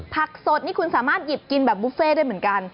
ผักสดนี่คุณสามารถหยิบกินแบบบุฟเฟ่ได้เหมือนกัน